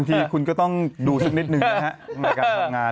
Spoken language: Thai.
วินดีอ่ะ